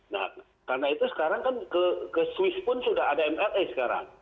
nah karena itu sekarang kan ke swiss pun sudah ada mri sekarang